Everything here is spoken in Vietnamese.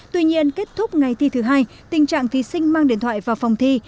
tuy nhiên kết thúc ngày thi thứ hai tình trạng thí sinh mang điện thoại vào phòng thi